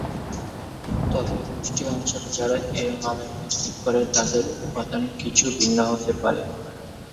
তবে কুষ্টিয়া অঞ্চলে যারা এই মালাই প্রস্তুত করে তাদের উপাদান কিছু ভিন্ন হতে পারে।